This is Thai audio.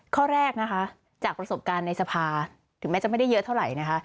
ข้อแรกนะคะจากประสบการณ์ในสภาถึงแม้จะไม่ได้เยอะเท่าไหร่นะคะ